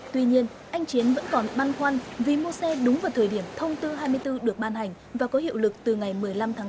tuy nhiên anh chiến vẫn còn băn khoăn vì mua xe đúng vào thời điểm thông tư hai mươi bốn được ban hành và có hiệu lực từ ngày một mươi năm tháng tám